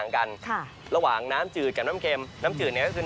น้ำน้ำเหลือเนื้อกลูก